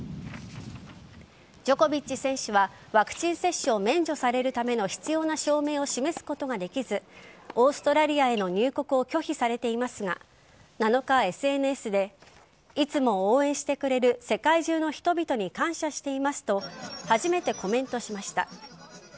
ジョコビッチ選手はワクチン接種を免除されるための必要な証明を示すことができずオーストラリアへの入国を拒否されていますが７日、ＳＮＳでいつも応援してくれる世界中の人々に感謝していますと初めてコメントしました。